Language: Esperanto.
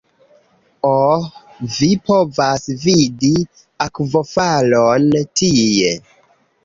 Oh vi povas vidi akvofalon tie